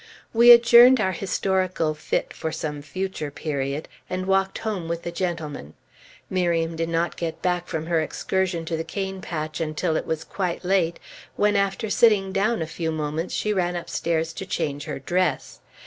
We adjourned our historical fit for some future period, and walked home with the gentlemen. Miriam did not get back from her excursion to the cane patch until it was quite late; when after sitting down a few moments, she ran upstairs to change her dress.